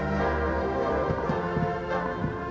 สวัสดีครับ